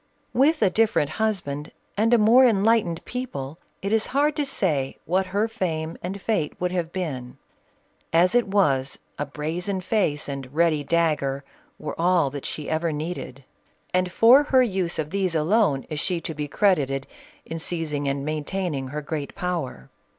With a different husband and a more enlightened people, it is hard to say what her fame and fate would have been. As it was, a brazen face and ready dagger were all that she ever needed, and for her use of these CATHERINE OF BUSSIA. 441 alone is she to be credited, in seizing and maintaining her great power.